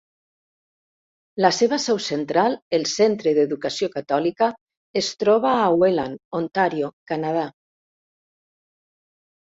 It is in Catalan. La seva seu central, el Centre d'Educació Catòlica, es troba a Welland, Ontario, Canadà.